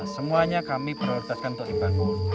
semuanya kami prioritaskan untuk dibangun